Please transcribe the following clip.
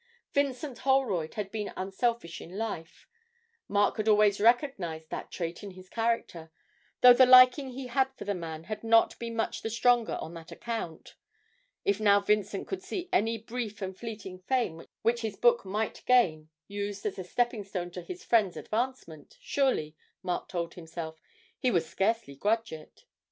Vincent Holroyd had been unselfish in life; Mark had always recognised that trait in his character, though the liking he had for the man had not been much the stronger on that account if now Vincent could see any brief and fleeting fame which his book might gain used as the stepping stone to his friend's advancement, surely, Mark told himself, he would scarcely grudge it.